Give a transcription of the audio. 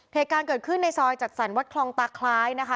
เหตุการณ์เกิดขึ้นในซอยจัดสรรวัดคลองตาคล้ายนะคะ